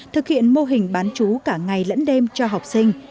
thực hiện mô hình bán chú cả ngày lẫn đêm cho học sinh